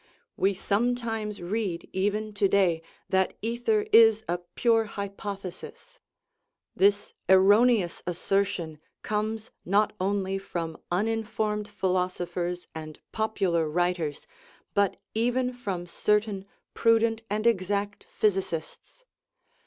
We sometimes read even 225 THE RIDDLE OF THE UNIVERSE to day that ether is a "pure hypothesis"; this erro neous assertion comes not only from uninformed phi losophers and "popular" writers, but even from cer tain " prudent and exact physicists."